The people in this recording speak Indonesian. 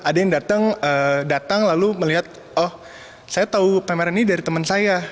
ada yang datang datang lalu melihat oh saya tahu pameran ini dari teman saya